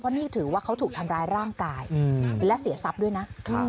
นี่ถือว่าเขาถูกทำร้ายร่างกายและเสียทรัพย์ด้วยนะ